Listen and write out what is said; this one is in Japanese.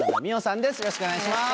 よろしくお願いします。